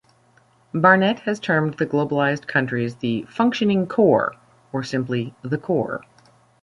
Barnett has termed the globalized countries the "Functioning Core," or simply "the Core.